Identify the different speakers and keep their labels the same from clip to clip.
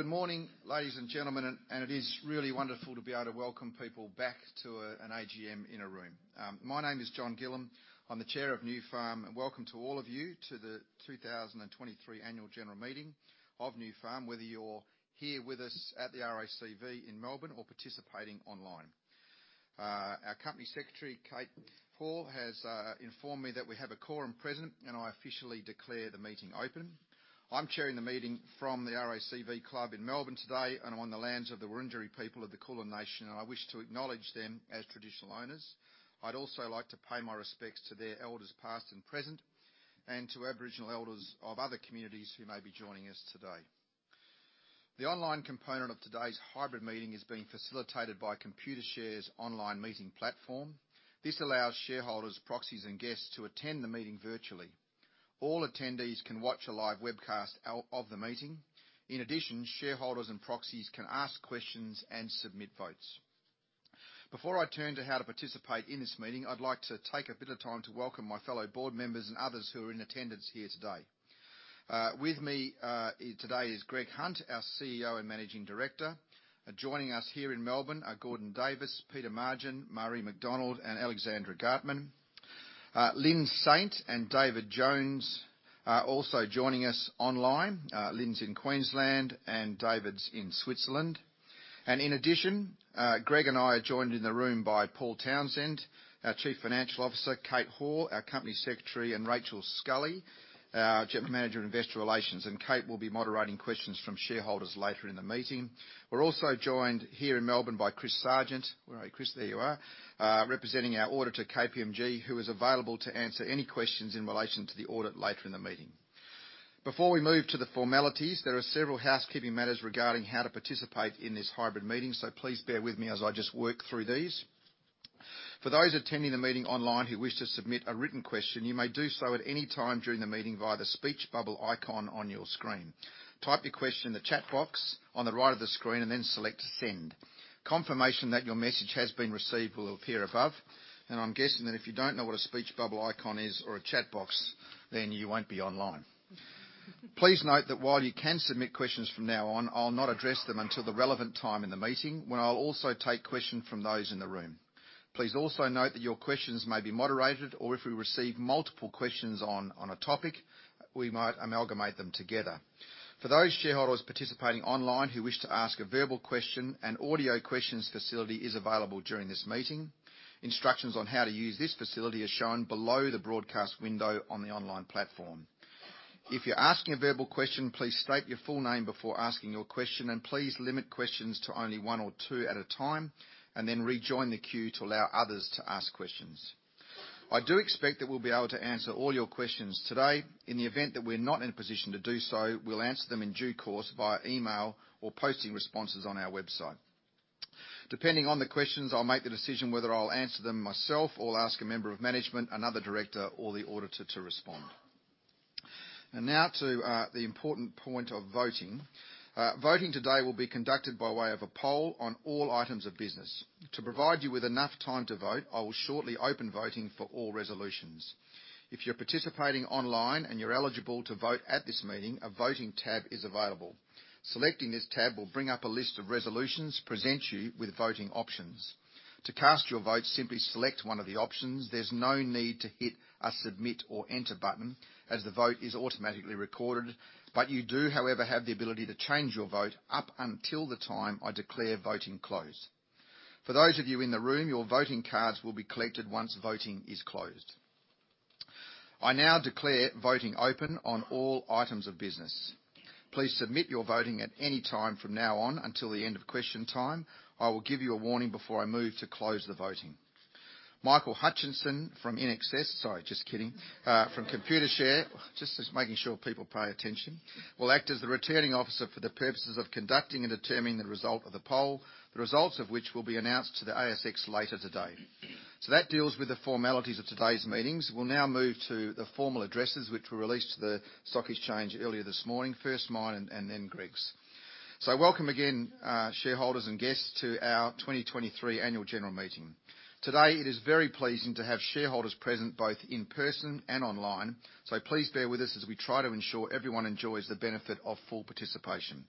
Speaker 1: Good morning, ladies and gentlemen, and it is really wonderful to be able to welcome people back to an AGM in a room. My name is John Gillam. I'm the Chair of Nufarm. Welcome to all of you to the 2023 annual general meeting of Nufarm, whether you're here with us at the RACV in Melbourne or participating online. Our Company Secretary, Kate Hall, has informed me that we have a quorum present. I officially declare the meeting open. I'm chairing the meeting from the RACV Club in Melbourne today, and on the lands of the Wurundjeri people of the Kulin Nation. I wish to acknowledge them as traditional owners. I'd also like to pay my respects to their elders, past and present, and to Aboriginal elders of other communities who may be joining us today. The online component of today's hybrid meeting is being facilitated by Computershare's online meeting platform. This allows shareholders, proxies, and guests to attend the meeting virtually. All attendees can watch a live webcast out of the meeting. In addition, shareholders and proxies can ask questions and submit votes. Before I turn to how to participate in this meeting, I'd like to take a bit of time to welcome my fellow board members and others who are in attendance here today. With me today is Greg Hunt, our CEO and managing director. Joining us here in Melbourne are Gordon Davis, Peter Margin, Marie McDonald, and Alexandra Gartmann. Lynne Saint and David Jones are also joining us online. Lynne's in Queensland, and David's in Switzerland. In addition, Greg and I are joined in the room by Paul Townsend, our chief financial officer, Kate Hall, our company secretary, and Rachel Scully, our general manager of investor relations. Kate will be moderating questions from shareholders later in the meeting. We're also joined here in Melbourne by Chris Sergeant. Where are you, Chris? There you are. Representing our auditor, KPMG, who is available to answer any questions in relation to the audit later in the meeting. Before we move to the formalities, there are several housekeeping matters regarding how to participate in this hybrid meeting, please bear with me as I just work through these. For those attending the meeting online who wish to submit a written question, you may do so at any time during the meeting via the speech bubble icon on your screen. Type your question in the chat box on the right of the screen and then select Send. Confirmation that your message has been received will appear above. I'm guessing that if you don't know what a speech bubble icon is or a chat box, then you won't be online. Please note that while you can submit questions from now on, I'll not address them until the relevant time in the meeting, when I'll also take questions from those in the room. Please also note that your questions may be moderated, or if we receive multiple questions on a topic, we might amalgamate them together. For those shareholders participating online who wish to ask a verbal question, an audio questions facility is available during this meeting. Instructions on how to use this facility are shown below the broadcast window on the online platform. If you're asking a verbal question, please state your full name before asking your question, and please limit questions to only one or two at a time, then rejoin the queue to allow others to ask questions. I do expect that we'll be able to answer all your questions today. In the event that we're not in a position to do so, we'll answer them in due course via email or posting responses on our website. Depending on the questions, I'll make the decision whether I'll answer them myself or ask a member of management, another director or the auditor to respond. Now to the important point of voting. Voting today will be conducted by way of a poll on all items of business. To provide you with enough time to vote, I will shortly open voting for all resolutions. If you're participating online and you're eligible to vote at this meeting, a voting tab is available. Selecting this tab will bring up a list of resolutions, present you with voting options. To cast your vote, simply select one of the options. There's no need to hit a submit or enter button as the vote is automatically recorded. You do, however, have the ability to change your vote up until the time I declare voting closed. For those of you in the room, your voting cards will be collected once voting is closed. I now declare voting open on all items of business. Please submit your voting at any time from now on until the end of question time. I will give you a warning before I move to close the voting. Michael Hutchinson from Computershare... Sorry, just kidding. From Computershare, just making sure people pay attention, will act as the returning officer for the purposes of conducting and determining the result of the poll, the results of which will be announced to the ASX later today. That deals with the formalities of today's meetings. We'll now move to the formal addresses which were released to the stock exchange earlier this morning. First, mine and then Greg's. Welcome again, shareholders and guests to our 2023 annual general meeting. Today, it is very pleasing to have shareholders present both in person and online. Please bear with us as we try to ensure everyone enjoys the benefit of full participation.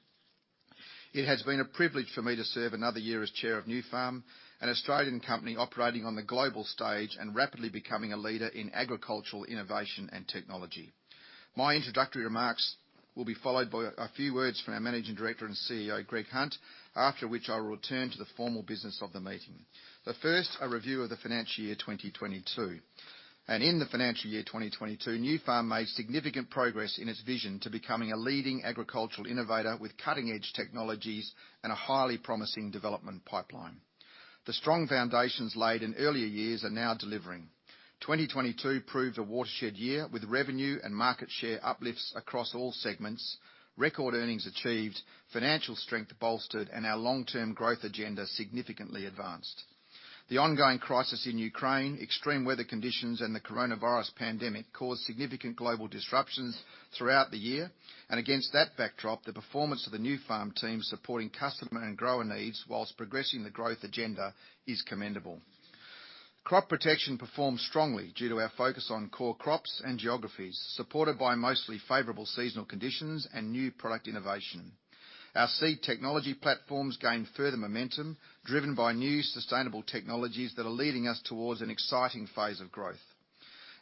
Speaker 1: It has been a privilege for me to serve another year as chair of Nufarm, an Australian company operating on the global stage and rapidly becoming a leader in agricultural innovation and technology. My introductory remarks will be followed by a few words from our Managing Director and CEO, Greg Hunt, after which I will return to the formal business of the meeting. First, a review of the financial year 2022. In the financial year 2022, Nufarm made significant progress in its vision to becoming a leading agricultural innovator with cutting-edge technologies and a highly promising development pipeline. The strong foundations laid in earlier years are now delivering. 2022 proved a watershed year with revenue and market share uplifts across all segments, record earnings achieved, financial strength bolstered, and our long-term growth agenda significantly advanced. The ongoing crisis in Ukraine, extreme weather conditions, and the coronavirus pandemic caused significant global disruptions throughout the year. Against that backdrop, the performance of the Nufarm team supporting customer and grower needs whilst progressing the growth agenda is commendable. Crop protection performed strongly due to our focus on core crops and geographies, supported by mostly favorable seasonal conditions and new product innovation. Our seed technology platforms gained further momentum, driven by new sustainable technologies that are leading us towards an exciting phase of growth.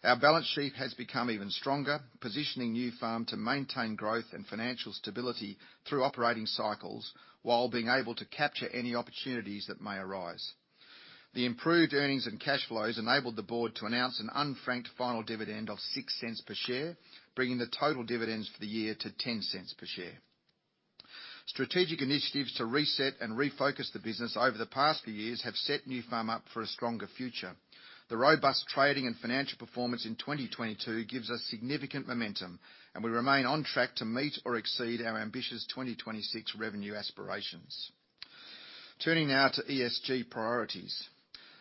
Speaker 1: Our balance sheet has become even stronger, positioning Nufarm to maintain growth and financial stability through operating cycles while being able to capture any opportunities that may arise. The improved earnings and cash flows enabled the board to announce an unfranked final dividend of 0.06 per share, bringing the total dividends for the year to 0.10 per share. Strategic initiatives to reset and refocus the business over the past few years have set Nufarm up for a stronger future. The robust trading and financial performance in 2022 gives us significant momentum. We remain on track to meet or exceed our ambitious 2026 revenue aspirations. Turning now to ESG priorities.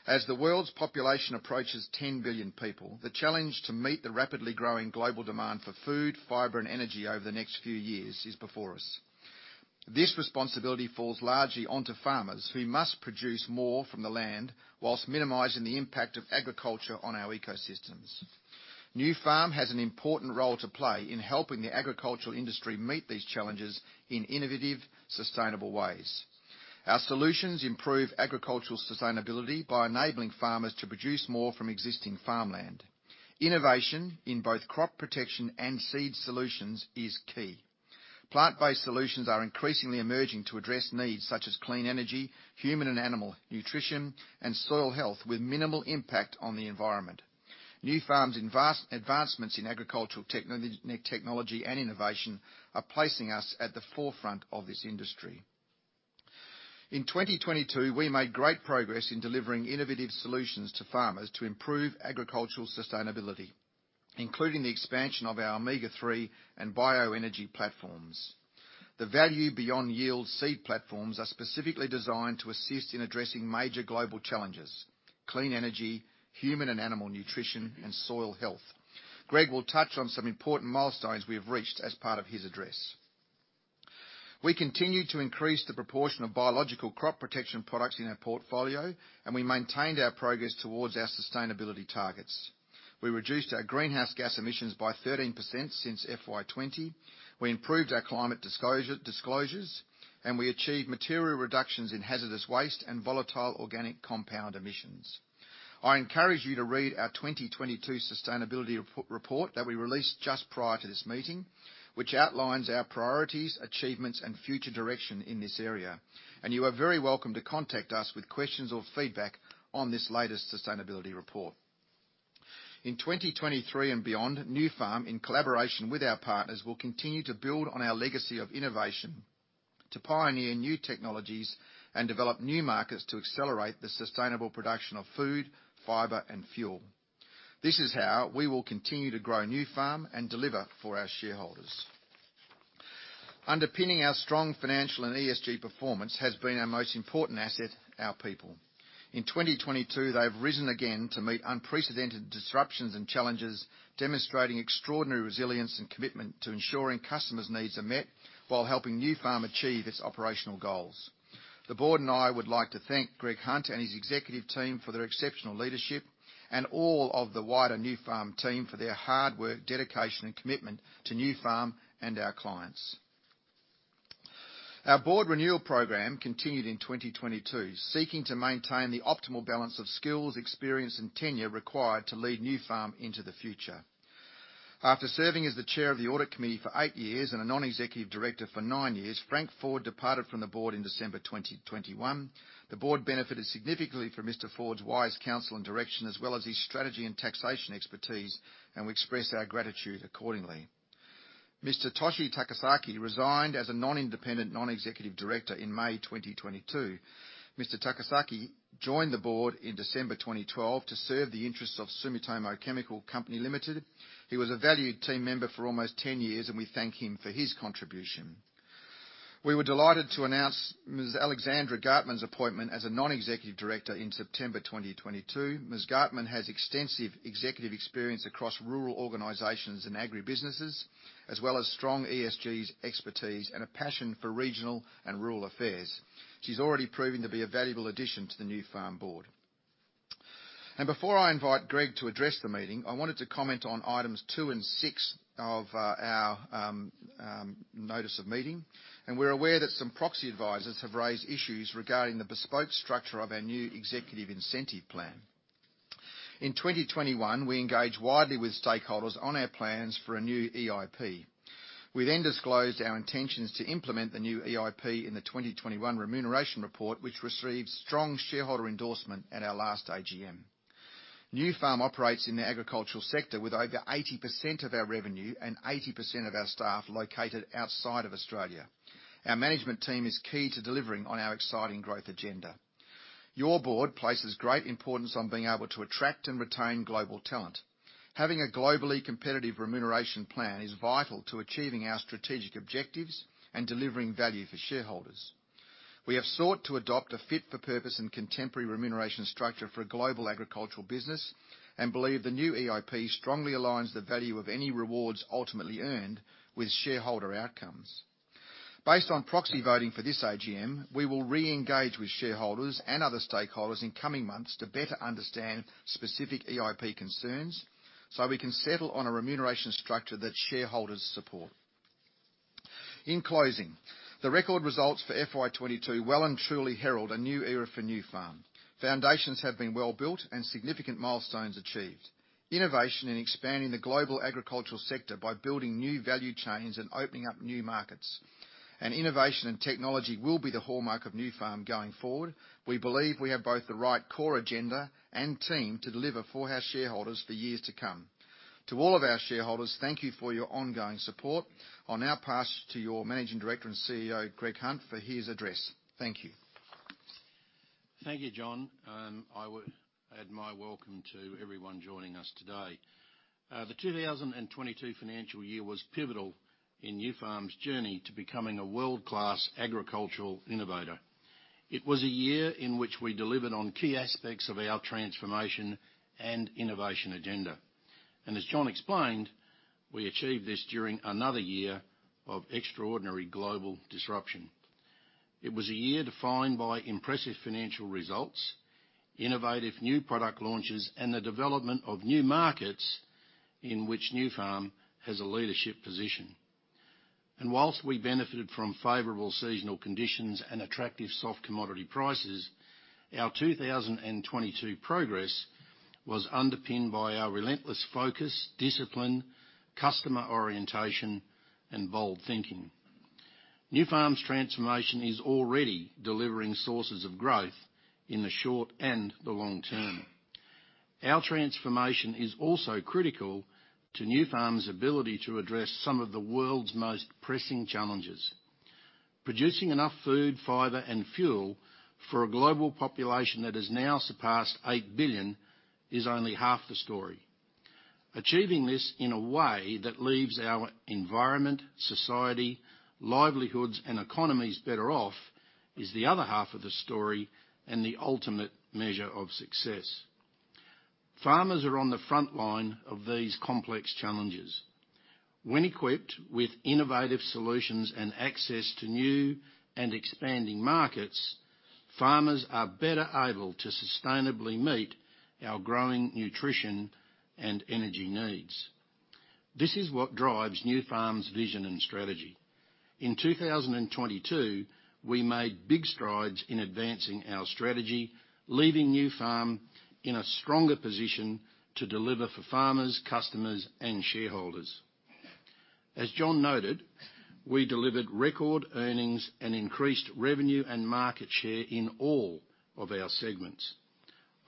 Speaker 1: As the world's population approaches 10 billion people, the challenge to meet the rapidly growing global demand for food, fiber, and energy over the next few years is before us. This responsibility falls largely onto farmers, who must produce more from the land whilst minimizing the impact of agriculture on our ecosystems. Nufarm has an important role to play in helping the agricultural industry meet these challenges in innovative, sustainable ways. Our solutions improve agricultural sustainability by enabling farmers to produce more from existing farmland. Innovation in both crop protection and seed solutions is key. Plant-based solutions are increasingly emerging to address needs such as clean energy, human and animal nutrition, and soil health with minimal impact on the environment. Nufarm's advancements in agricultural technology and innovation are placing us at the forefront of this industry. In 2022, we made great progress in delivering innovative solutions to farmers to improve agricultural sustainability, including the expansion of our Omega-3 and bioenergy platforms. The Value Beyond Yield seed platforms are specifically designed to assist in addressing major global challenges: clean energy, human and animal nutrition, and soil health. Greg will touch on some important milestones we have reached as part of his address. We continue to increase the proportion of biological crop protection products in our portfolio, and we maintained our progress towards our sustainability targets. We reduced our greenhouse gas emissions by 13% since FY 2020. We improved our climate disclosures, we achieved material reductions in hazardous waste and volatile organic compound emissions. I encourage you to read our 2022 sustainability report that we released just prior to this meeting, which outlines our priorities, achievements, and future direction in this area. You are very welcome to contact us with questions or feedback on this latest sustainability report. In 2023 and beyond, Nufarm, in collaboration with our partners, will continue to build on our legacy of innovation, to pioneer new technologies and develop new markets to accelerate the sustainable production of food, fiber, and fuel. This is how we will continue to grow Nufarm and deliver for our shareholders. Underpinning our strong financial and ESG performance has been our most important asset, our people. In 2022, they've risen again to meet unprecedented disruptions and challenges, demonstrating extraordinary resilience and commitment to ensuring customers' needs are met while helping Nufarm achieve its operational goals. The board and I would like to thank Greg Hunt and his executive team for their exceptional leadership and all of the wider Nufarm team for their hard work, dedication, and commitment to Nufarm and our clients. Our board renewal program continued in 2022, seeking to maintain the optimal balance of skills, experience, and tenure required to lead Nufarm into the future. After serving as the Chair of the Audit Committee for 8 years and a Non-executive Director for 9 years, Frank Ford departed from the board in December 2021. The board benefited significantly from Mr. Ford's wise counsel and direction, as well as his strategy and taxation expertise. We express our gratitude accordingly. Mr. Toshikazu Takasaki resigned as a non-independent, non-executive director in May 2022. Mr. Takasaki joined the board in December 2012 to serve the interests of Sumitomo Chemical Company, Limited. He was a valued team member for almost 10 years, and we thank him for his contribution. We were delighted to announce Ms. Alexandra Gartmann's appointment as a non-executive director in September 2022. Ms. Gartmann has extensive executive experience across rural organizations and agribusinesses, as well as strong ESGs expertise and a passion for regional and rural affairs. She's already proving to be a valuable addition to the Nufarm board. Before I invite Greg to address the meeting, I wanted to comment on items 2 and 6 of our notice of meeting. We're aware that some proxy advisors have raised issues regarding the bespoke structure of our new executive incentive plan. In 2021, we engaged widely with stakeholders on our plans for a new EIP. We then disclosed our intentions to implement the new EIP in the 2021 remuneration report, which received strong shareholder endorsement at our last AGM. Nufarm operates in the agricultural sector with over 80% of our revenue and 80% of our staff located outside of Australia. Our management team is key to delivering on our exciting growth agenda. Your board places great importance on being able to attract and retain global talent. Having a globally competitive remuneration plan is vital to achieving our strategic objectives and delivering value for shareholders. We have sought to adopt a fit for purpose and contemporary remuneration structure for a global agricultural business and believe the new EIP strongly aligns the value of any rewards ultimately earned with shareholder outcomes. Based on proxy voting for this AGM, we will re-engage with shareholders and other stakeholders in coming months to better understand specific EIP concerns, so we can settle on a remuneration structure that shareholders support. In closing, the record results for FY22 well and truly herald a new era for Nufarm. Foundations have been well built and significant milestones achieved. Innovation and expanding the global agricultural sector by building new value chains and opening up new markets, and innovation and technology will be the hallmark of Nufarm going forward. We believe we have both the right core agenda and team to deliver for our shareholders for years to come. To all of our shareholders, thank you for your ongoing support. I'll now pass to your Managing Director and CEO, Greg Hunt, for his address. Thank you.
Speaker 2: Thank you, John. I would add my welcome to everyone joining us today. The 2022 financial year was pivotal in Nufarm's journey to becoming a world-class agricultural innovator. It was a year in which we delivered on key aspects of our transformation and innovation agenda. As John explained, we achieved this during another year of extraordinary global disruption. It was a year defined by impressive financial results, innovative new product launches, and the development of new markets in which Nufarm has a leadership position. Whilst we benefited from favorable seasonal conditions and attractive soft commodity prices, our 2022 progress was underpinned by our relentless focus, discipline, customer orientation, and bold thinking. Nufarm's transformation is already delivering sources of growth in the short and the long term. Our transformation is also critical to Nufarm's ability to address some of the world's most pressing challenges. Producing enough food, fiber, and fuel for a global population that has now surpassed 8 billion is only half the story. Achieving this in a way that leaves our environment, society, livelihoods, and economies better off is the other half of the story and the ultimate measure of success. Farmers are on the front line of these complex challenges. When equipped with innovative solutions and access to new and expanding markets, farmers are better able to sustainably meet our growing nutrition and energy needs. This is what drives Nufarm's vision and strategy. In 2022, we made big strides in advancing our strategy, leaving Nufarm in a stronger position to deliver for farmers, customers, and shareholders. As John noted, we delivered record earnings and increased revenue and market share in all of our segments.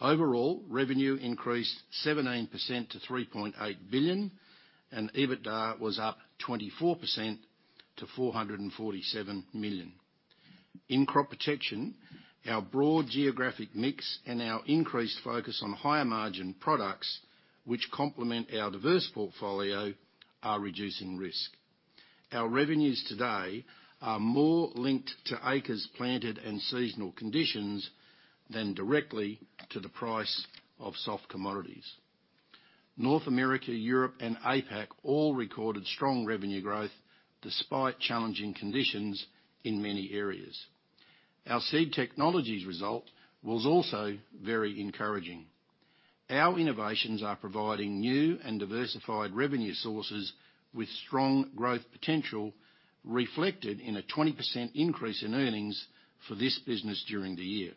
Speaker 2: Revenue increased 17% to AUD 3.8 billion, and EBITDA was up 24% to AUD 447 million. In crop protection, our broad geographic mix and our increased focus on higher margin products, which complement our diverse portfolio, are reducing risk. Our revenues today are more linked to acres planted and seasonal conditions than directly to the price of soft commodities. North America, Europe, and APAC all recorded strong revenue growth despite challenging conditions in many areas. Our seed technologies result was also very encouraging. Our innovations are providing new and diversified revenue sources with strong growth potential reflected in a 20% increase in earnings for this business during the year.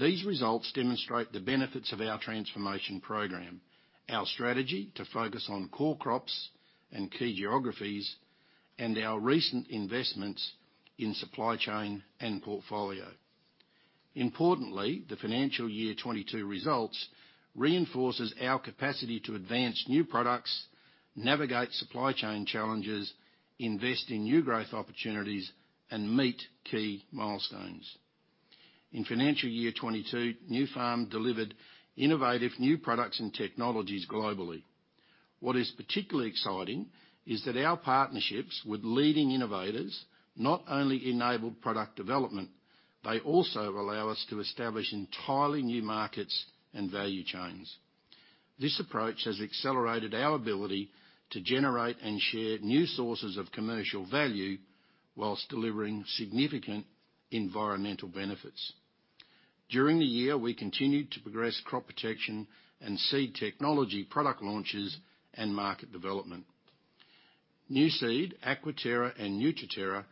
Speaker 2: These results demonstrate the benefits of our transformation program, our strategy to focus on core crops and key geographies, and our recent investments in supply chain and portfolio. Importantly, the financial year 22 results reinforces our capacity to advance new products, navigate supply chain challenges, invest in new growth opportunities, and meet key milestones. In financial year 22, Nufarm delivered innovative new products and technologies globally. What is particularly exciting is that our partnerships with leading innovators not only enable product development, they also allow us to establish entirely new markets and value chains. This approach has accelerated our ability to generate and share new sources of commercial value whilst delivering significant environmental benefits. During the year, we continued to progress crop protection and seed technology product launches and market development. Nuseed, Aquaterra, and Nutriterra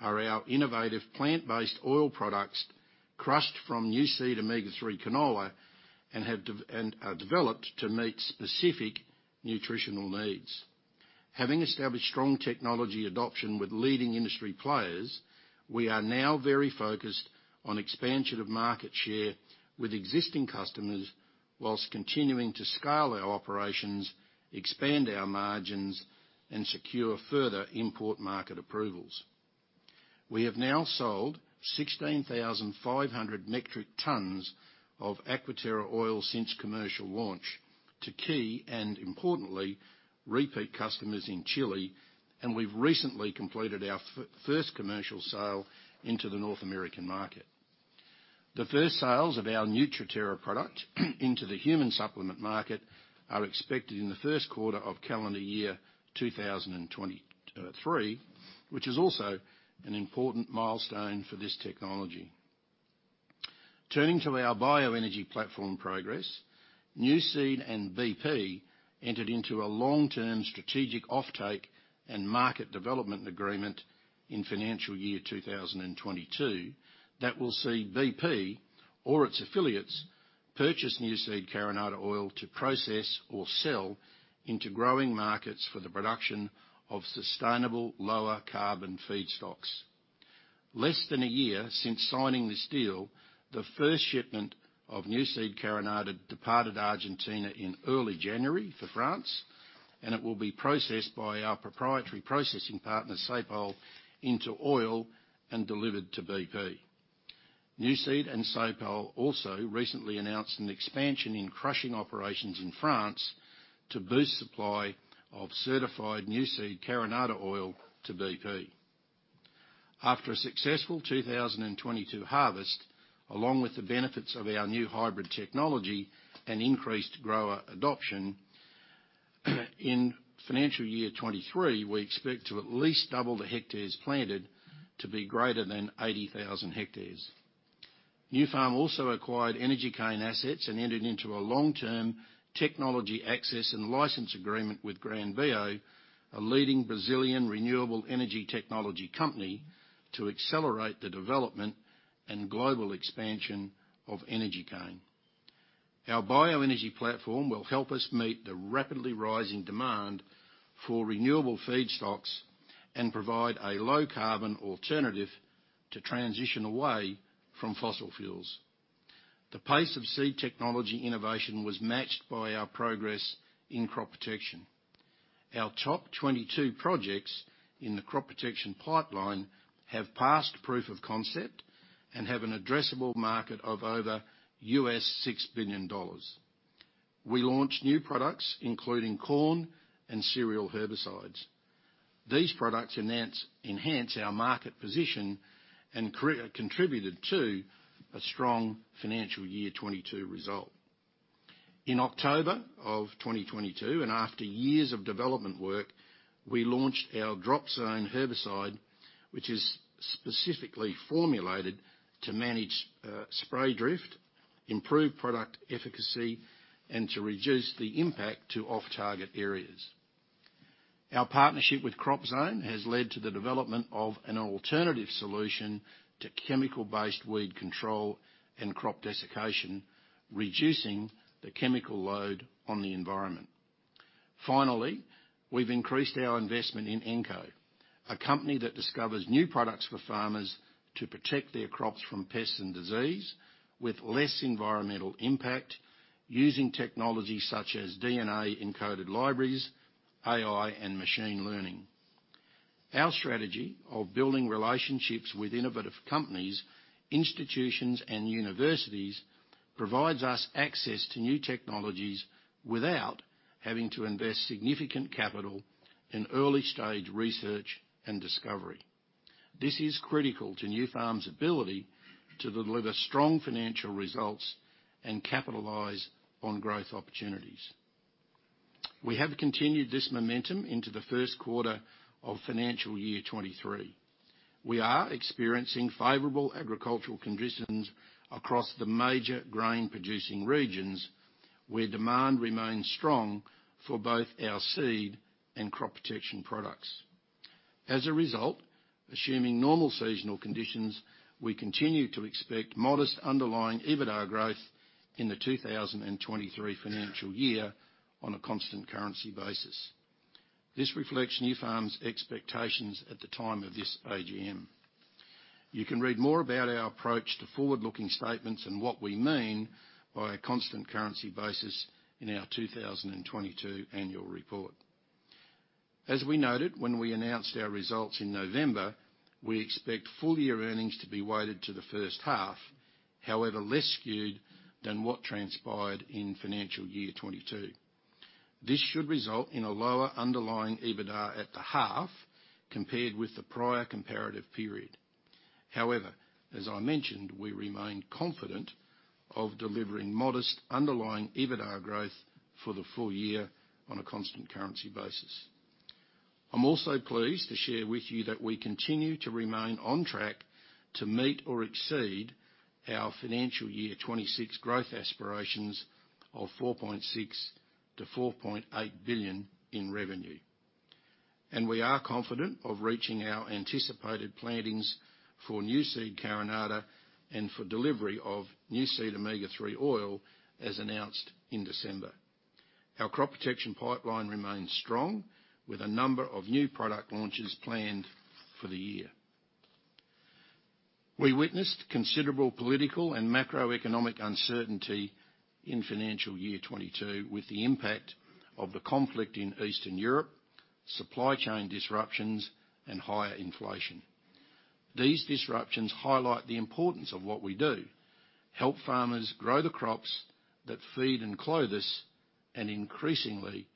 Speaker 2: are our innovative plant-based oil products crushed from Nuseed omega-3 canola and developed to meet specific nutritional needs. Having established strong technology adoption with leading industry players, we are now very focused on expansion of market share with existing customers whilst continuing to scale our operations, expand our margins, and secure further import market approvals. We have now sold 16,500 metric tons of Aquaterra oil since commercial launch to key and, importantly, repeat customers in Chile, and we've recently completed our first commercial sale into the North American market. The first sales of our Nutriterra product into the human supplement market are expected in the first quarter of calendar year 2023, which is also an important milestone for this technology. Turning to our bioenergy platform progress, Nuseed and BP entered into a long-term strategic offtake and market development agreement in financial year 2022 that will see BP or its affiliates purchase Nuseed Carinata oil to process or sell into growing markets for the production of sustainable lower carbon feedstocks. Less than a year since signing this deal, the first shipment of Nuseed Carinata departed Argentina in early January for France. It will be processed by our proprietary processing partner, Saipol, into oil and delivered to BP. Nuseed and Saipol also recently announced an expansion in crushing operations in France to boost supply of certified Nuseed Carinata oil to BP. After a successful 2022 harvest, along with the benefits of our new hybrid technology and increased grower adoption, in financial year 23, we expect to at least double the hectares planted to be greater than 80,000 hectares. Nufarm also acquired energy cane assets and entered into a long-term technology access and license agreement with GranBio, a leading Brazilian renewable energy technology company, to accelerate the development and global expansion of energy cane. Our bioenergy platform will help us meet the rapidly rising demand for renewable feedstocks and provide a low carbon alternative to transition away from fossil fuels. The pace of seed technology innovation was matched by our progress in crop protection. Our top 22 projects in the crop protection pipeline have passed proof of concept and have an addressable market of over $6 billion. We launched new products, including corn and cereal herbicides. These products enhance our market position and contributed to a strong FY22 result. In October of 2022, after years of development work, we launched our DROPZONE herbicide, which is specifically formulated to manage spray drift, improve product efficacy, and to reduce the impact to off-target areas. Our partnership with CROP.ZONE has led to the development of an alternative solution to chemical-based weed control and crop desiccation, reducing the chemical load on the environment. We've increased our investment in Enko, a company that discovers new products for farmers to protect their crops from pests and disease with less environmental impact using technology such as DNA-encoded libraries, AI, and machine learning. Our strategy of building relationships with innovative companies, institutions, and universities provides us access to new technologies without having to invest significant capital in early-stage research and discovery. This is critical to Nufarm's ability to deliver strong financial results and capitalize on growth opportunities. We have continued this momentum into the first quarter of financial year 23. We are experiencing favorable agricultural conditions across the major grain-producing regions, where demand remains strong for both our seed and crop protection products. As a result, assuming normal seasonal conditions, we continue to expect modest underlying EBITDA growth in the 2023 financial year on a constant currency basis. This reflects Nufarm's expectations at the time of this AGM. You can read more about our approach to forward-looking statements and what we mean by a constant currency basis in our 2022 annual report. As we noted when we announced our results in November, we expect full year earnings to be weighted to the first half. However, less skewed than what transpired in financial year 22. This should result in a lower underlying EBITDA at the half compared with the prior comparative period. As I mentioned, we remain confident of delivering modest underlying EBITDA growth for the full year on a constant currency basis. I'm also pleased to share with you that we continue to remain on track to meet or exceed our financial year 2026 growth aspirations of 4.6 billion-4.8 billion in revenue. We are confident of reaching our anticipated plantings for Nuseed Carinata and for delivery of Nuseed Omega-3 oil as announced in December. Our crop protection pipeline remains strong with a number of new product launches planned for the year. We witnessed considerable political and macroeconomic uncertainty in financial year 2022 with the impact of the conflict in Eastern Europe, supply chain disruptions, and higher inflation. These disruptions highlight the importance of what we do, help farmers grow the crops that feed and clothe us, and increasingly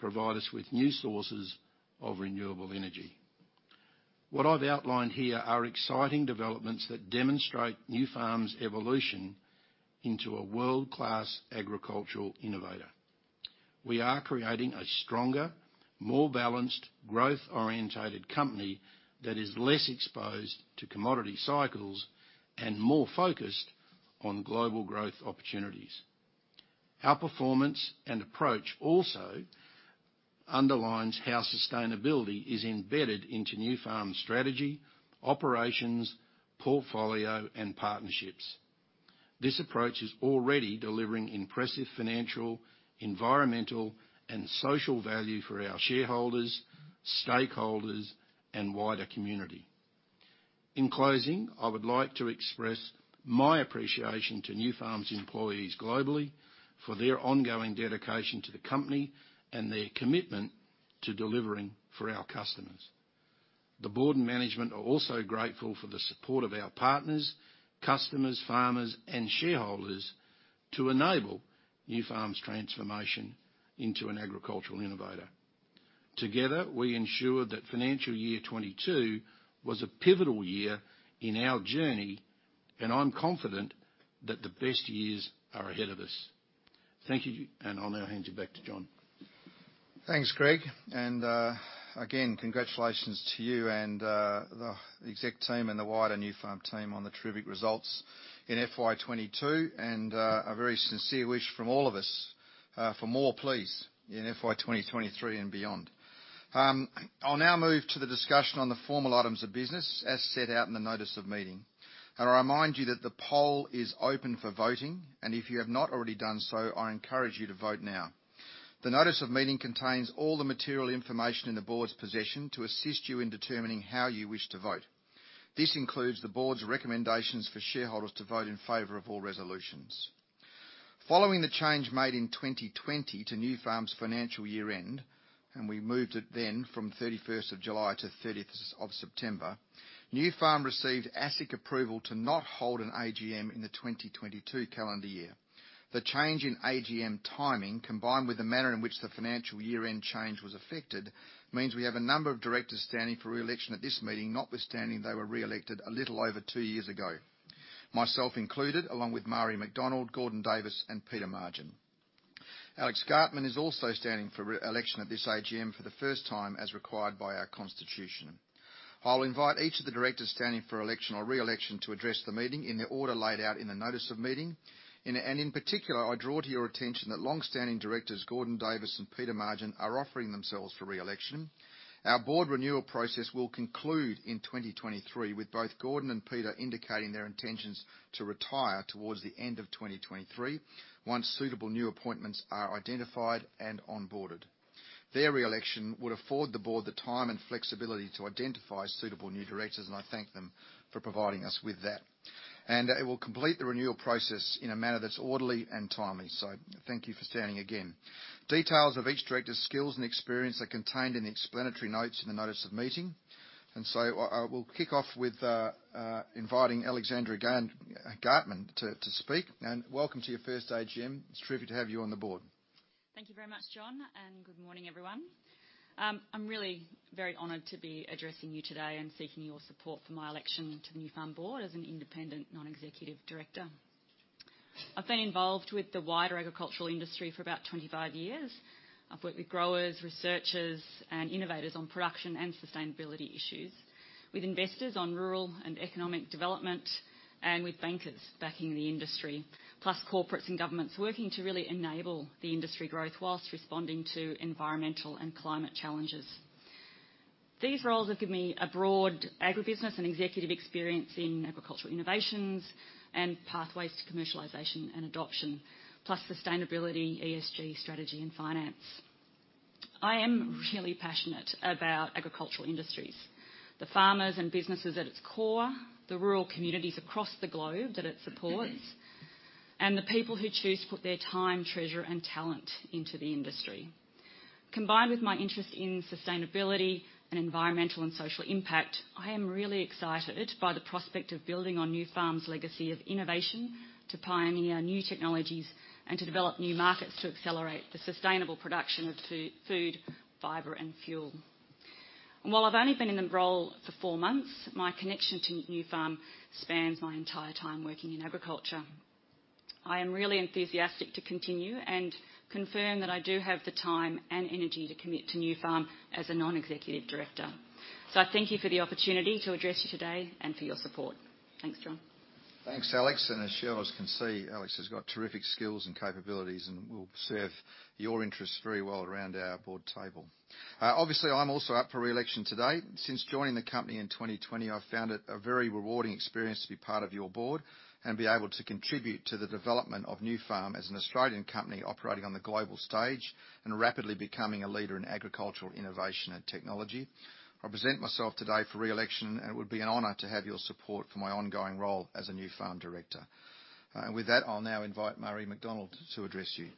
Speaker 2: provide us with new sources of renewable energy. What I've outlined here are exciting developments that demonstrate Nufarm's evolution into a world-class agricultural innovator. We are creating a stronger, more balanced, growth-orientated company that is less exposed to commodity cycles and more focused on global growth opportunities. Our performance and approach also underlines how sustainability is embedded into Nufarm's strategy, operations, portfolio, and partnerships. This approach is already delivering impressive financial, environmental, and social value for our shareholders, stakeholders, and wider community. In closing, I would like to express my appreciation to Nufarm's employees globally for their ongoing dedication to the company and their commitment to delivering for our customers. The board and management are also grateful for the support of our partners, customers, farmers, and shareholders to enable Nufarm's transformation into an agricultural innovator. Together, we ensure that financial year 2022 was a pivotal year in our journey, and I'm confident that the best years are ahead of us. Thank you, and I'll now hand you back to John.
Speaker 1: Thanks, Greg, again, congratulations to you and the exec team and the wider Nufarm team on the terrific results in FY22, and a very sincere wish from all of us for more, please, in FY23 and beyond. I'll now move to the discussion on the formal items of business as set out in the notice of meeting. I remind you that the poll is open for voting, and if you have not already done so, I encourage you to vote now. The notice of meeting contains all the material information in the board's possession to assist you in determining how you wish to vote. This includes the board's recommendations for shareholders to vote in favor of all resolutions. Following the change made in 2020 to Nufarm's financial year-end, we moved it then from 31st of July to 30th of September, Nufarm received ASIC approval to not hold an AGM in the 2022 calendar year. The change in AGM timing, combined with the manner in which the financial year-end change was affected, means we have a number of directors standing for re-election at this meeting, notwithstanding they were re-elected a little over 2 years ago. Myself included, along with Marie McDonald, Gordon Davis, and Peter Margin. Alex Gartmann is also standing for re-election at this AGM for the first time, as required by our constitution. I'll invite each of the directors standing for election or re-election to address the meeting in the order laid out in the notice of meeting. In particular, I draw to your attention that long-standing directors Gordon Davis and Peter Margin are offering themselves for re-election. Our board renewal process will conclude in 2023, with both Gordon and Peter indicating their intentions to retire towards the end of 2023 once suitable new appointments are identified and onboarded. Their re-election would afford the board the time and flexibility to identify suitable new directors, and I thank them for providing us with that. It will complete the renewal process in a manner that's orderly and timely. Thank you for standing again. Details of each director's skills and experience are contained in the explanatory notes in the notice of meeting. I will kick off with inviting Alexandra Gartmann to speak, and welcome to your first AGM. It's terrific to have you on the board.
Speaker 3: Thank you very much, John. Good morning, everyone. I'm really very honored to be addressing you today and seeking your support for my election to the Nufarm board as an independent non-executive director. I've been involved with the wider agricultural industry for about 25 years. I've worked with growers, researchers, and innovators on production and sustainability issues, with investors on rural and economic development, and with bankers backing the industry, plus corporates and governments working to really enable the industry growth whilst responding to environmental and climate challenges. These roles have given me a broad agribusiness and executive experience in agricultural innovations and pathways to commercialization and adoption, plus sustainability, ESG, strategy, and finance. I am really passionate about agricultural industries, the farmers and businesses at its core, the rural communities across the globe that it supports, and the people who choose to put their time, treasure, and talent into the industry. Combined with my interest in sustainability and environmental and social impact, I am really excited by the prospect of building on Nufarm's legacy of innovation to pioneer new technologies and to develop new markets to accelerate the sustainable production of food, fiber, and fuel. While I've only been in the role for four months, my connection to Nufarm spans my entire time working in agriculture. I am really enthusiastic to continue and confirm that I do have the time and energy to commit to Nufarm as a non-executive director. I thank you for the opportunity to address you today and for your support. Thanks, John.
Speaker 1: Thanks, Alex. As shareholders can see, Alex has got terrific skills and capabilities and will serve your interests very well around our board table. Obviously, I'm also up for re-election today. Since joining the company in 2020, I've found it a very rewarding experience to be part of your board and be able to contribute to the development of Nufarm as an Australian company operating on the global stage and rapidly becoming a leader in agricultural innovation and technology. I present myself today for re-election, it would be an honor to have your support for my ongoing role as a Nufarm director. With that, I'll now invite Marie McDonald to address you.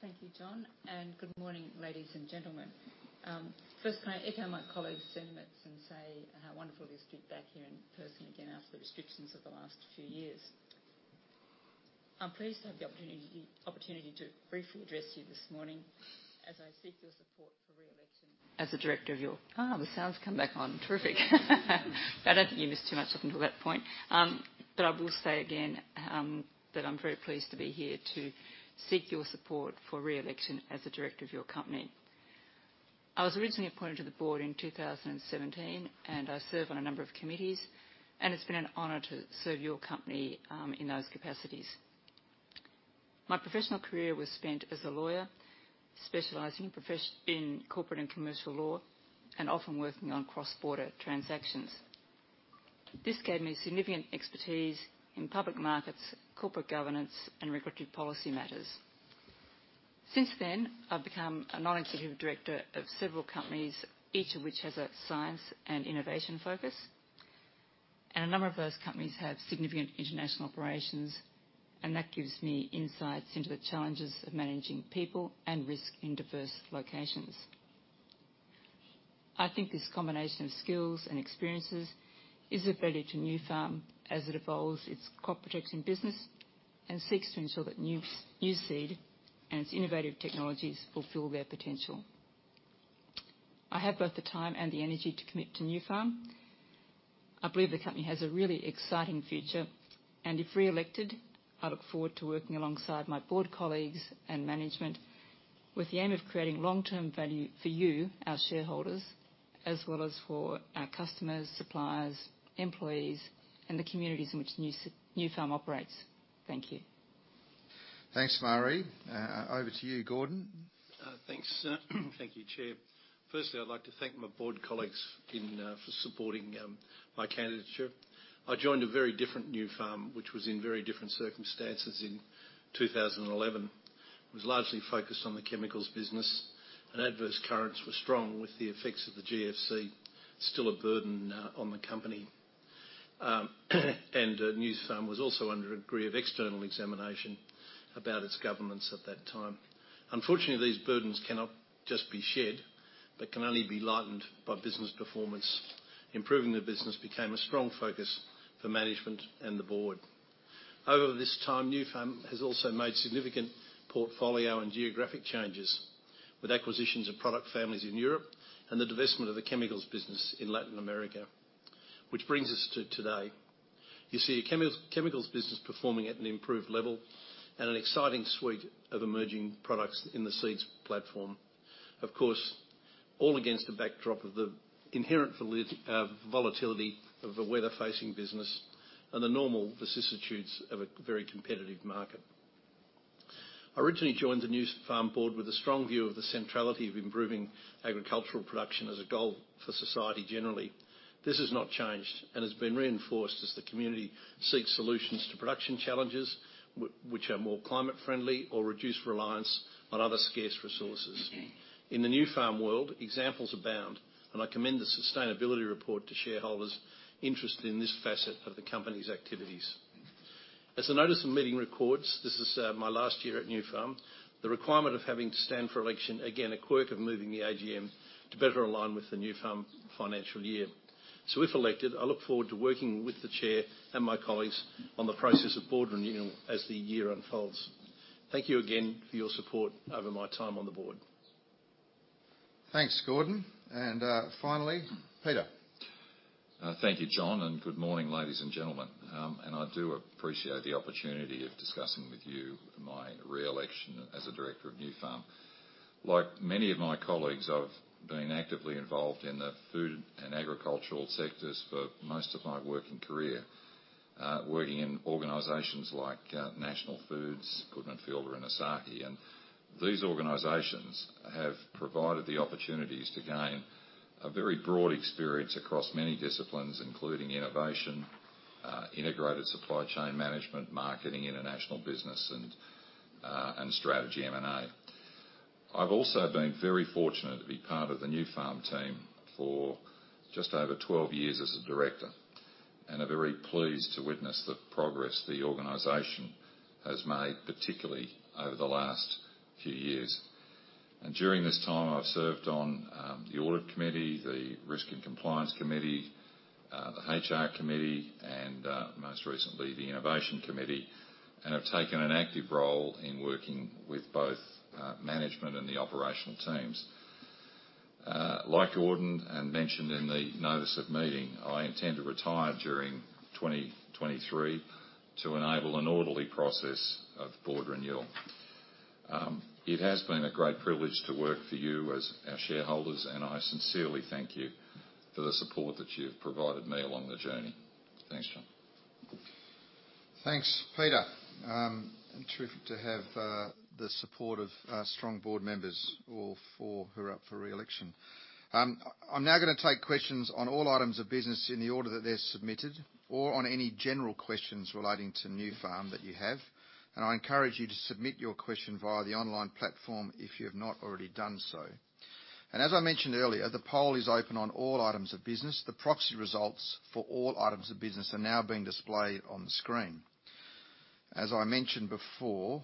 Speaker 2: Thank you, John, and good morning, ladies and gentlemen. First can I echo my colleague's sentiments and say how wonderful it is to be back here in person again after the restrictions of the last few years.
Speaker 4: I'm pleased to have the opportunity to briefly address you this morning as I seek your support for re-election as a director of your. The sound's come back on. Terrific. I don't think you missed too much up until that point. I will say again that I'm very pleased to be here to seek your support for re-election as a director of your company. I was originally appointed to the board in 2017. I serve on a number of committees, and it's been an honor to serve your company in those capacities. My professional career was spent as a lawyer, specializing in corporate and commercial law, and often working on cross-border transactions. This gave me significant expertise in public markets, corporate governance, and regulatory policy matters. Since then, I've become a non-executive director of several companies, each of which has a science and innovation focus, and a number of those companies have significant international operations, and that gives me insights into the challenges of managing people and risk in diverse locations. I think this combination of skills and experiences is of value to Nufarm as it evolves its crop protection business and seeks to ensure that Nuseed and its innovative technologies fulfill their potential. I have both the time and the energy to commit to Nufarm. I believe the company has a really exciting future, and if re-elected, I look forward to working alongside my board colleagues and management with the aim of creating long-term value for you, our shareholders, as well as for our customers, suppliers, employees, and the communities in which Nufarm operates. Thank you.
Speaker 1: Thanks, Marie. Over to you, Gordon.
Speaker 5: Thanks. Thank you, Chair. Firstly, I'd like to thank my board colleagues in for supporting my candidature. I joined a very different Nufarm, which was in very different circumstances in 2011. It was largely focused on the chemicals business, and adverse currents were strong with the effects of the GFC still a burden on the company. Nufarm was also under a degree of external examination about its governance at that time. Unfortunately, these burdens cannot just be shed, but can only be lightened by business performance. Improving the business became a strong focus for management and the board. Over this time, Nufarm has also made significant portfolio and geographic changes with acquisitions of product families in Europe and the divestment of the chemicals business in Latin America, which brings us to today. You see a chemicals business performing at an improved level and an exciting suite of emerging products in the seeds platform. Of course, all against the backdrop of the inherent volatility of the weather-facing business and the normal vicissitudes of a very competitive market. I originally joined the Nufarm board with a strong view of the centrality of improving agricultural production as a goal for society generally. This has not changed and has been reinforced as the community seeks solutions to production challenges which are more climate friendly or reduce reliance on other scarce resources. In the Nufarm world, examples abound, and I commend the sustainability report to shareholders interested in this facet of the company's activities. As the notice of meeting records, this is my last year at Nufarm. The requirement of having to stand for election, again, a quirk of moving the AGM to better align with the Nufarm financial year. If elected, I look forward to working with the Chair and my colleagues on the process of board renewal as the year unfolds. Thank you again for your support over my time on the board.
Speaker 1: Thanks, Gordon. Finally, Peter.
Speaker 6: Thank you, John. Good morning, ladies and gentlemen. I do appreciate the opportunity of discussing with you my re-election as a director of Nufarm. Like many of my colleagues, I've been actively involved in the food and agricultural sectors for most of my working career, working in organizations like National Foods, Goodman Fielder and Asahi. These organizations have provided the opportunities to gain a very broad experience across many disciplines, including innovation, integrated supply chain management, marketing, international business, and strategy M&A. I've also been very fortunate to be part of the Nufarm team for just over 12 years as a director, and I'm very pleased to witness the progress the organization has made, particularly over the last few years. During this time, I've served on the Audit Committee, the Risk and Compliance Committee, the HR Committee, and most recently, the Innovation Committee, and have taken an active role in working with both management and the operational teams. Like Gordon mentioned in the notice of meeting, I intend to retire during 2023 to enable an orderly process of board renewal. It has been a great privilege to work for you as our shareholders, and I sincerely thank you for the support that you've provided me along the journey. Thanks, John.
Speaker 1: Thanks, Peter. Terrific to have the support of our strong board members, all four who are up for re-election. I'm now gonna take questions on all items of business in the order that they're submitted or on any general questions relating to Nufarm that you have. I encourage you to submit your question via the online platform if you have not already done so. As I mentioned earlier, the poll is open on all items of business. The proxy results for all items of business are now being displayed on the screen. As I mentioned before,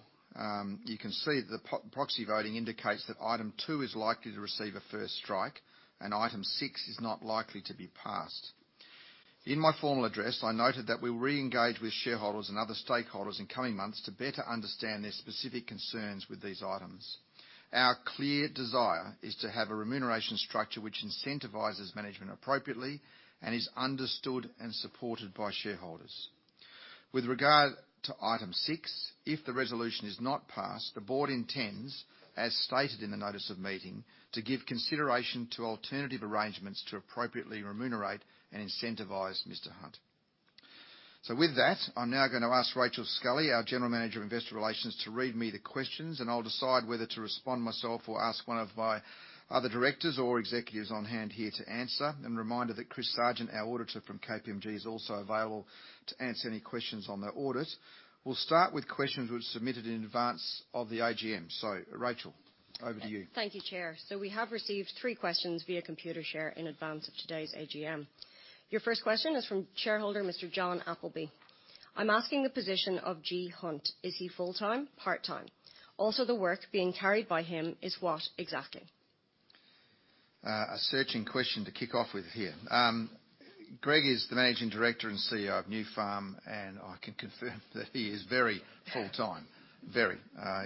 Speaker 1: you can see the proxy voting indicates that item two is likely to receive a first strike and item six is not likely to be passed. In my formal address, I noted that we'll re-engage with shareholders and other stakeholders in coming months to better understand their specific concerns with these items. Our clear desire is to have a remuneration structure which incentivizes management appropriately and is understood and supported by shareholders. With regard to item six, if the resolution is not passed, the board intends, as stated in the notice of meeting, to give consideration to alternative arrangements to appropriately remunerate and incentivize Mr. Hunt. With that, I'm now gonna ask Rachel Scully, our General Manager of Investor Relations, to read me the questions, and I'll decide whether to respond myself or ask one of my other directors or executives on-hand here to answer. A reminder that Chris Sergeant, our auditor from KPMG, is also available to answer any questions on the audit. We'll start with questions which were submitted in advance of the AGM. Rachel, over to you.
Speaker 7: Thank you, Chair. We have received 3 questions via Computershare in advance of today's AGM. Your first question is from shareholder Mr. John Appleby: I'm asking the position of G. Hunt. Is he full-time? Part-time? Also, the work being carried by him is what exactly?
Speaker 1: A searching question to kick off with here. Greg is the Managing Director and CEO of Nufarm, and I can confirm that he is very full-time. Very.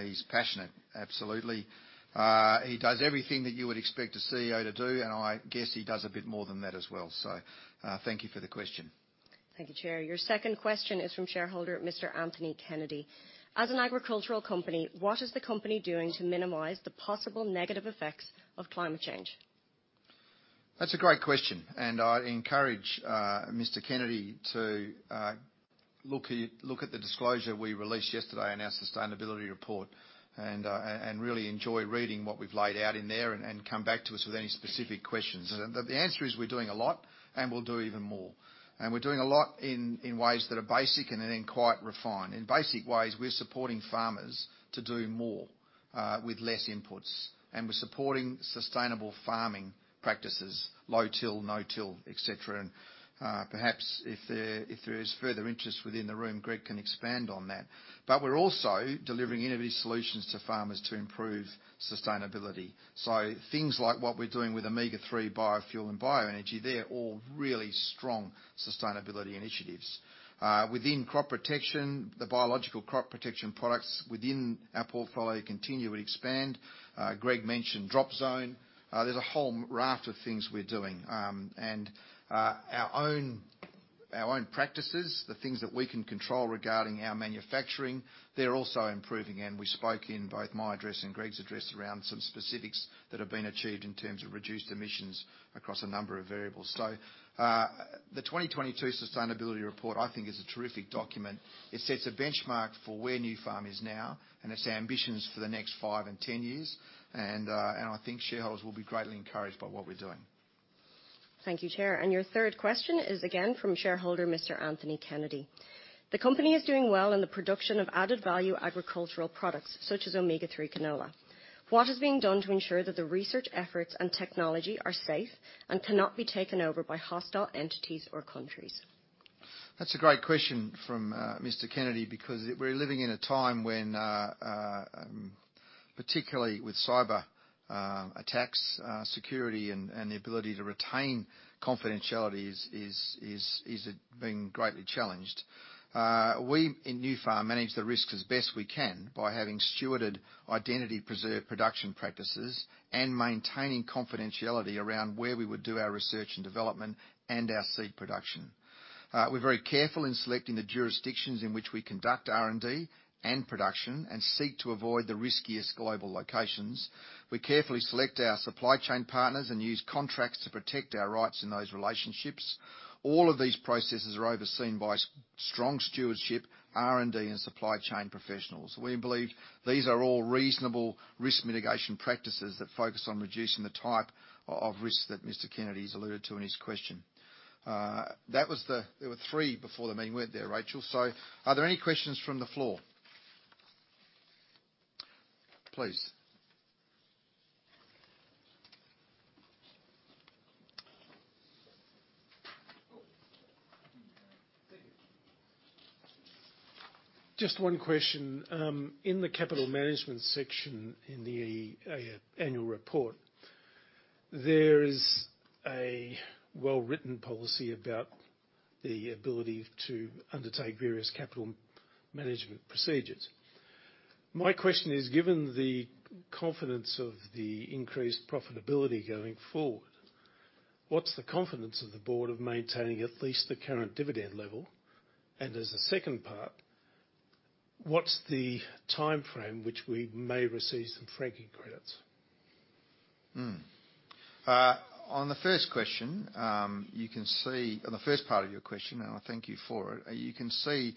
Speaker 1: He's passionate, absolutely. He does everything that you would expect a CEO to do, and I guess he does a bit more than that as well. Thank you for the question.
Speaker 7: Thank you, Chair. Your second question is from shareholder Mr. Anthony Kennedy: As an agricultural company, what is the company doing to minimize the possible negative effects of climate change?
Speaker 1: That's a great question. I'd encourage Mr. Kennedy to look at the disclosure we released yesterday in our sustainability report and really enjoy reading what we've laid out in there and come back to us with any specific questions. The answer is, we're doing a lot, and we'll do even more. We're doing a lot in ways that are basic and then in quite refined. In basic ways, we're supporting farmers to do more with less inputs, and we're supporting sustainable farming practices, low till, no-till, et cetera. Perhaps if there is further interest within the room, Greg can expand on that. We're also delivering innovative solutions to farmers to improve sustainability. Things like what we're doing with Omega-3 biofuel and bioenergy, they're all really strong sustainability initiatives. Within crop protection, the biological crop protection products within our portfolio continue to expand. Greg mentioned DROPZONE. There's a whole raft of things we're doing. Our own practices, the things that we can control regarding our manufacturing, they're also improving, and we spoke in both my address and Greg's address around some specifics that have been achieved in terms of reduced emissions across a number of variables. The 2022 sustainability report, I think is a terrific document. It sets a benchmark for where Nufarm is now and its ambitions for the next five and 10 years. I think shareholders will be greatly encouraged by what we're doing.
Speaker 7: Thank you, Chair. Your third question is again from shareholder Mr. Anthony Kennedy: The company is doing well in the production of added value agricultural products such as omega-3 canola. What is being done to ensure that the research efforts and technology are safe and cannot be taken over by hostile entities or countries?
Speaker 1: That's a great question from Mr. Kennedy, because we're living in a time when particularly with cyber attacks, security and the ability to retain confidentiality is being greatly challenged. We in Nufarm manage the risks as best we can by having stewarded identity preserve production practices and maintaining confidentiality around where we would do our research and development and our seed production. We're very careful in selecting the jurisdictions in which we conduct R&D and production and seek to avoid the riskiest global locations. We carefully select our supply chain partners and use contracts to protect our rights in those relationships. All of these processes are overseen by strong stewardship, R&D, and supply chain professionals. We believe these are all reasonable risk mitigation practices that focus on reducing the type of risk that Mr. Kennedy's alluded to in his question. There were three before the main, weren't there, Rachel? Are there any questions from the floor? Please.
Speaker 8: Just one question. In the capital management section in the annual report, there is a well-written policy about the ability to undertake various capital management procedures. My question is, given the confidence of the increased profitability going forward, what's the confidence of the board of maintaining at least the current dividend level? As a second part, what's the timeframe which we may receive some franking credits?
Speaker 1: On the first question, on the first part of your question, and I thank you for it, you can see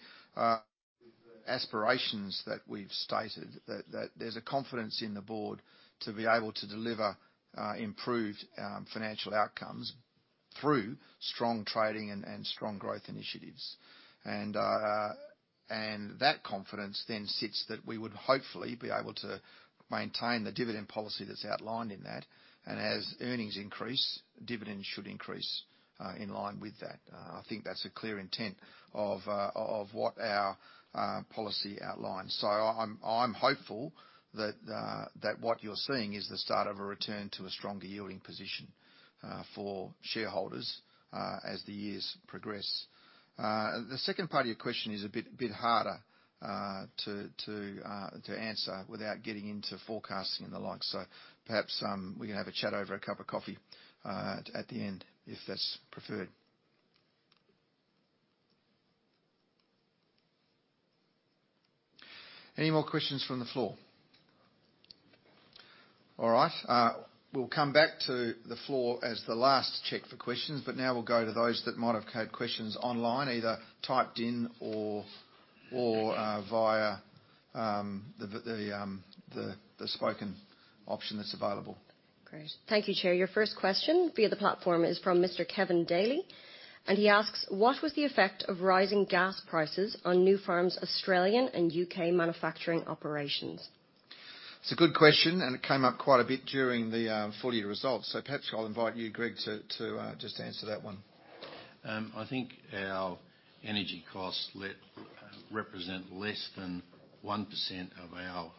Speaker 1: the aspirations that we've stated that there's a confidence in the board to be able to deliver improved financial outcomes through strong trading and strong growth initiatives. That confidence then sits that we would hopefully be able to maintain the dividend policy that's outlined in that, and as earnings increase, dividends should increase in line with that. I think that's a clear intent of what our policy outlines. I'm hopeful that what you're seeing is the start of a return to a stronger yielding position for shareholders as the years progress. The second part of your question is a bit harder to answer without getting into forecasting and the like. Perhaps, we can have a chat over a cup of coffee at the end, if that's preferred. Any more questions from the floor? All right, we'll come back to the floor as the last check for questions, but now we'll go to those that might have had questions online, either typed in or via the spoken option that's available.
Speaker 7: Great. Thank you, Chair. Your first question via the platform is from Mr. Kevin Daly. He asks: What was the effect of rising gas prices on Nufarm's Australian and UK manufacturing operations?
Speaker 1: It's a good question. It came up quite a bit during the full year results. Perhaps I'll invite you, Greg, to just answer that one.
Speaker 2: I think our energy costs represent less than 1% of our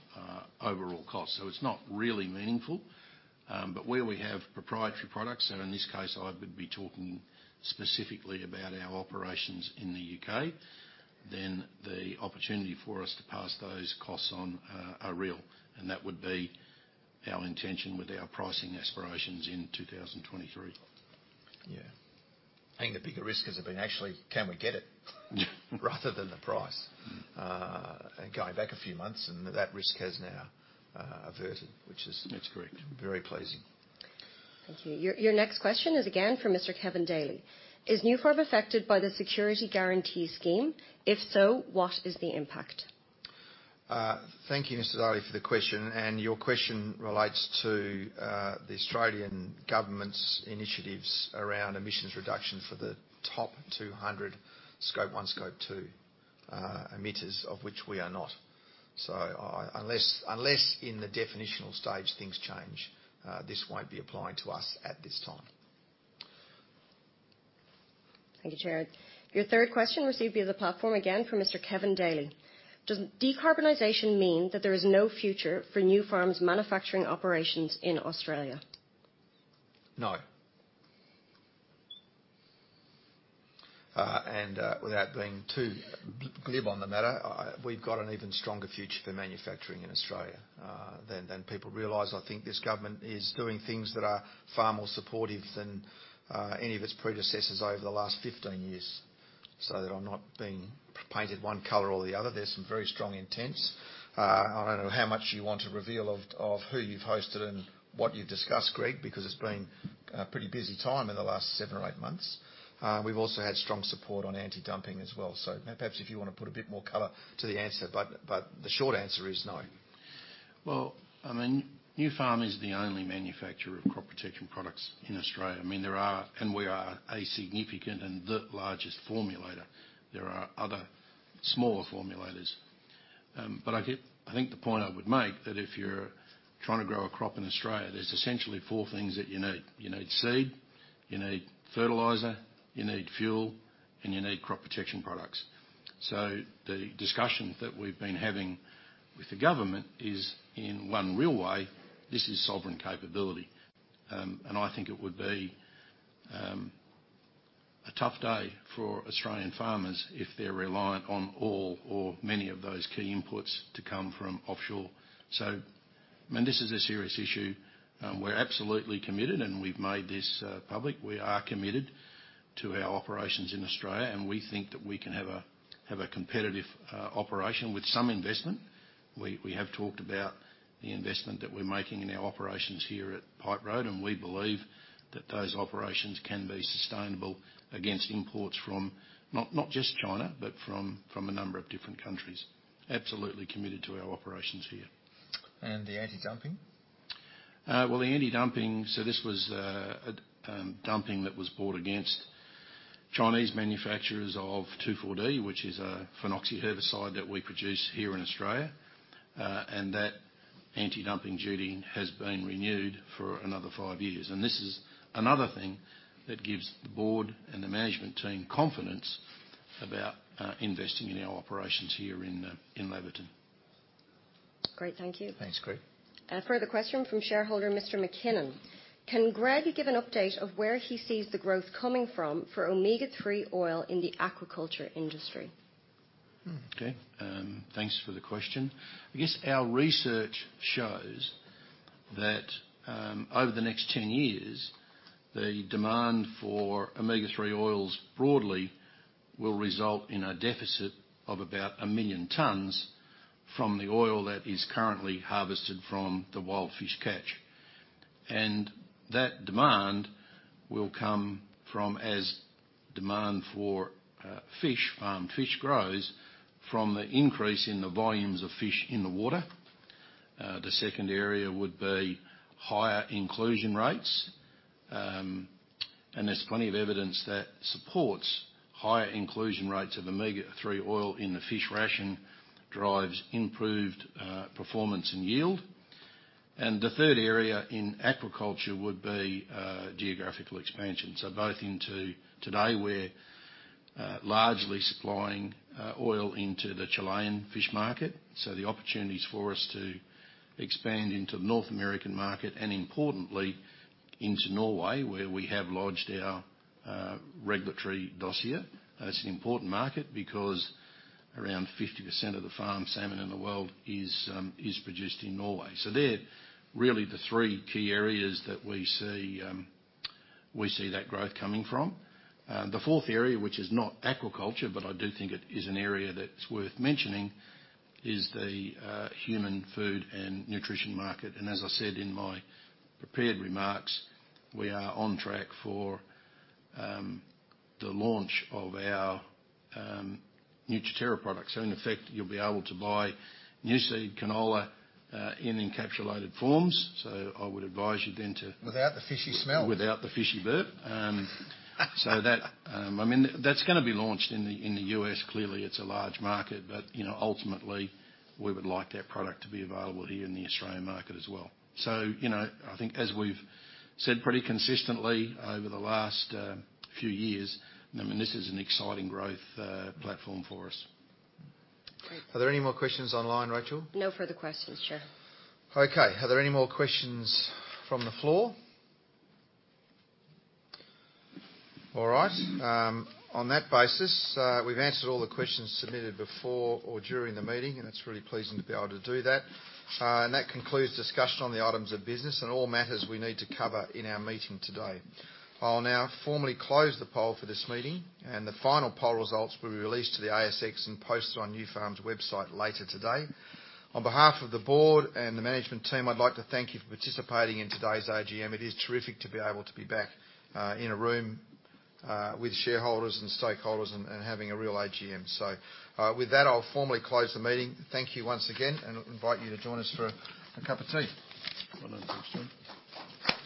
Speaker 2: overall cost. It's not really meaningful. Where we have proprietary products, and in this case, I would be talking specifically about our operations in the UK, then the opportunity for us to pass those costs on are real, and that would be our intention with our pricing aspirations in 2023.
Speaker 1: Yeah.
Speaker 2: I think the bigger risk has been actually can we get it rather than the price, going back a few months, and that risk has now averted.
Speaker 1: That's correct.
Speaker 2: very pleasing.
Speaker 7: Thank you. Your next question is again from Mr. Kevin Daly: Is Nufarm affected by the Security Guarantee Scheme? If so, what is the impact?
Speaker 1: Thank you, Mr. Daly, for the question. Your question relates to the Australian government's initiatives around emissions reduction for the top 200 Scope 1, Scope 2 emitters of which we are not. Unless in the definitional stage things change, this won't be applying to us at this time.
Speaker 7: Thank you, Chair. Your third question received via the platform again from Mr. Kevin Daly: Does decarbonization mean that there is no future for Nufarm's manufacturing operations in Australia?
Speaker 1: No. Without being too glib on the matter, we've got an even stronger future for manufacturing in Australia, than people realize. I think this government is doing things that are far more supportive than any of its predecessors over the last 15 years, so that I'm not being painted one color or the other. There's some very strong intents. I don't know how much you want to reveal of who you've hosted and what you've discussed, Greg, because it's been a pretty busy time in the last 7 or 8 months. We've also had strong support on anti-dumping as well. Perhaps if you wanna put a bit more color to the answer, but the short answer is no.
Speaker 2: Well, I mean, Nufarm is the only manufacturer of crop protection products in Australia. I mean, and we are a significant and the largest formulator. There are other smaller formulators. I think the point I would make that if you're trying to grow a crop in Australia, there's essentially four things that you need. You need seed, you need fertilizer, you need fuel, and you need crop protection products. The discussions that we've been having with the government is in one real way, this is sovereign capability. I think it would be a tough day for Australian farmers if they're reliant on all or many of those key inputs to come from offshore. I mean, this is a serious issue. We're absolutely committed, and we've made this public. We are committed to our operations in Australia, and we think that we can have a competitive operation with some investment. We have talked about the investment that we're making in our operations here at Pipe Road, and we believe that those operations can be sustainable against imports from not just China, but from a number of different countries. Absolutely committed to our operations here.
Speaker 1: The anti-dumping?
Speaker 2: The anti-dumping, this was, dumping that was brought against Chinese manufacturers of 2,4-D, which is a phenoxy herbicide that we produce here in Australia. That anti-dumping duty has been renewed for another five years. This is another thing that gives the board and the management team confidence about, investing in our operations here in Laverton.
Speaker 7: Great. Thank you.
Speaker 1: Thanks, Greg.
Speaker 7: A further question from shareholder Mr. McKinnon: Can Greg give an update of where he sees the growth coming from for Omega-3 oil in the aquaculture industry?
Speaker 1: Mm.
Speaker 2: Okay. Thanks for the question. I guess our research shows that, over the next 10 years, the demand for omega-3 oils broadly will result in a deficit of about 1 million tons from the oil that is currently harvested from the wild fish catch. That demand will come from as demand for fish, farmed fish grows from the increase in the volumes of fish in the water. The second area would be higher inclusion rates. There's plenty of evidence that supports higher inclusion rates of omega-3 oil in the fish ration drives improved performance and yield. The third area in aquaculture would be geographical expansion. Both into... Today, we're largely supplying oil into the Chilean fish market. The opportunities for us to expand into the North American market and importantly into Norway, where we have lodged our regulatory dossier. That's an important market because around 50% of the farmed salmon in the world is produced in Norway. They're really the three key areas that we see that growth coming from. The fourth area, which is not aquaculture, but I do think it is an area that's worth mentioning is the human food and nutrition market. As I said in my prepared remarks, we are on track for the launch of our Nutriterra products. In effect, you'll be able to buy Nuseed canola in encapsulated forms. I would advise you then.
Speaker 1: Without the fishy smell.
Speaker 2: Without the fishy burp. That, I mean, that's gonna be launched in the U.S. Clearly, it's a large market, but, you know, ultimately, we would like that product to be available here in the Australian market as well. You know, I think as we've said pretty consistently over the last few years, I mean, this is an exciting growth platform for us.
Speaker 7: Great.
Speaker 1: Are there any more questions online, Rachel?
Speaker 7: No further questions, Chair.
Speaker 1: Okay. Are there any more questions from the floor? All right. On that basis, we've answered all the questions submitted before or during the meeting, and it's really pleasing to be able to do that. That concludes discussion on the items of business and all matters we need to cover in our meeting today. I'll now formally close the poll for this meeting, and the final poll results will be released to the ASX and posted on Nufarm's website later today. On behalf of the board and the management team, I'd like to thank you for participating in today's AGM. It is terrific to be able to be back in a room with shareholders and stakeholders and having a real AGM. With that, I'll formally close the meeting. Thank you once again and invite you to join us for a cup of tea.
Speaker 2: Well done. Thanks, Chair.